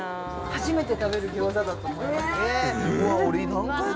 初めて食べるギョーザだと思います。